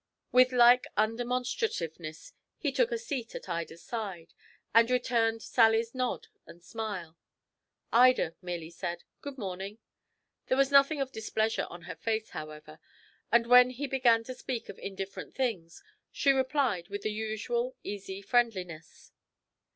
With like undemonstrativeness he took a seat at Ida's side, and returned Sally's nod and smile. Ida merely said "Good morning;" there was nothing of displeasure on her face, however, and when he began to speak of indifferent things she replied with the usual easy friendliness.